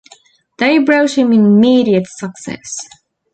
They brought him immediate success.